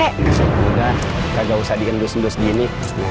ini saya muda kagak usah di kendus gendus gini